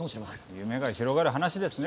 夢が広がる話ですね。